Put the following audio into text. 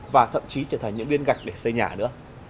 và thậm chí trở thành những viên gạch để xây nhà nữa